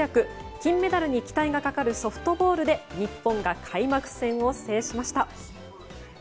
金メダルに期待がかかるソフトボールで日本が開幕戦を制しました。